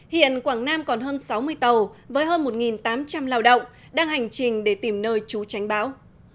hiện quảng nam còn hơn sáu mươi tàu với hơn một tám trăm linh lao động đang hành trình để tìm nơi trú tránh bão